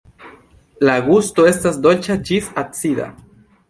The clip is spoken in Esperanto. La gusto estas dolĉa ĝis acida.